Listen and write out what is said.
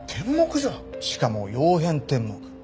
しかも曜変天目。